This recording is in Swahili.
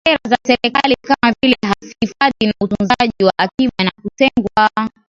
ya kisasa Sera za serikali kama vile hifadhi na utunzaji wa akiba na kutengwa